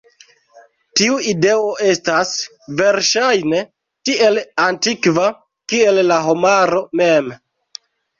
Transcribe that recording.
Tiu ideo estas, verŝajne, tiel antikva, kiel la homaro mem.